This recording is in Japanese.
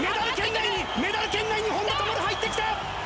メダル圏内に本多灯入ってきた。